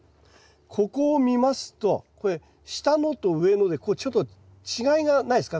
ここを見ますとこれ下のと上のでちょっと違いがないですか？